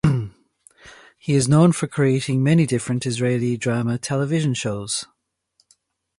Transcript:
He is known for creating many different Israeli drama television shows.